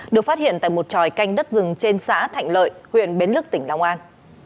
được phát hiện tại một tròi canh đất rừng trên xã thạnh lợi huyện bến lức tỉnh long an